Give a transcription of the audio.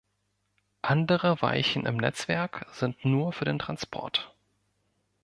Andere Weichen im Netzwerk sind nur für den Transport.